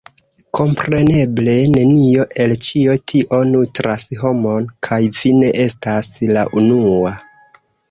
Kompreneble! Nenio el ĉio tio nutras homon, kaj vi ne estas la unua.